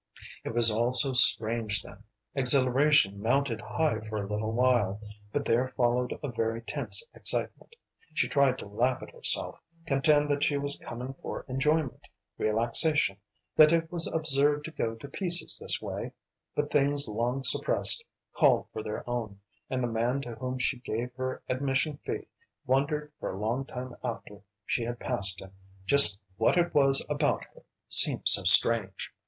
It was all so strange then; exhilaration mounted high for a little while, but there followed a very tense excitement. She tried to laugh at herself, contend that she was coming for enjoyment, relaxation, that it was absurd to go to pieces this way; but things long suppressed called for their own, and the man to whom she gave her admission fee wondered for a long time after she had passed him just what it was about her seemed so strange.